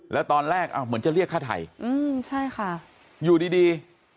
แล้วตอนแรกเหมือนจะเรียกค่าไทยอืมใช่ค่ะอยู่ดีดี